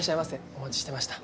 お待ちしていました。